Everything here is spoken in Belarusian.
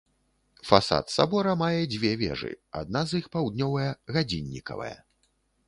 Фасад сабора мае дзве вежы, адна з іх, паўднёвая, гадзіннікавая.